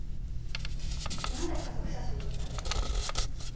何で家族写真も撮ってあげたの？